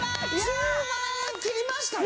１０万円切りましたよ！